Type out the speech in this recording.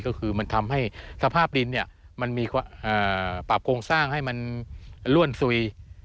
ก็คือมันทำให้สภาพดินเนี่ยมันมีปรับโครงสร้างให้มันล่วนซุย